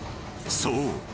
［そう。